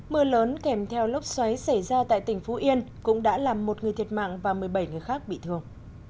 mưa lớn kèm theo lốc xoáy xảy ra tại tỉnh phú yên cũng đã làm một người thiệt mạng và một mươi bảy người khác bị thương